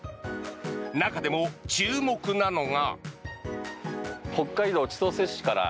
中でも注目なのが。